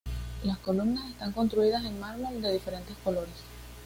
Las columnas está construidas en mármol de diferentes colores.